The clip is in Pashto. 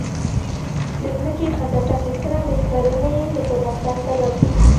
د ځمکې ښه ګټه اخیستنه د کرنې د پرمختګ سبب ګرځي.